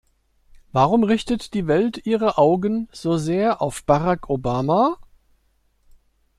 Warum richtet die Welt ihre Augen so sehr auf Barack Obama?